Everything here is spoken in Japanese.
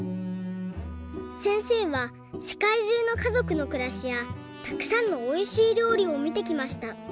せんせいはせかいじゅうのかぞくのくらしやたくさんのおいしいりょうりをみてきました。